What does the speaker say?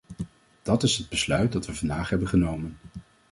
Dat is het besluit dat we vandaag hebben genomen.